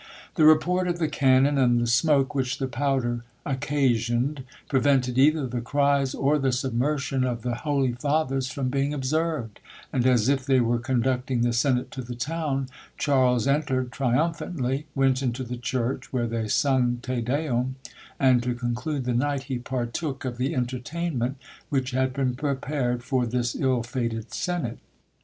The report of the cannon, and the smoke which the powder occasioned, prevented either the cries or the submersion of the holy fathers from being observed: and as if they were conducting the senate to the town, Charles entered triumphantly; went into the church, where they sung Te Deum; and to conclude the night, he partook of the entertainment which had been prepared for this ill fated senate.